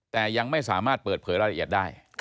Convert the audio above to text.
แต่ยังไม่สามารถเปิดเผยรายละเอียดได้